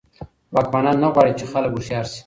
واکمنان نه غواړي چي خلګ هوښیار سي.